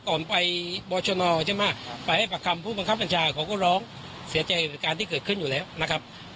ก่อนไปบรชนใช่ไหมไปให้ปากคำผู้บังคับบัญชาเขาก็ร้องเสียใจกับการที่เกิดขึ้นอยู่แล้วนะครับ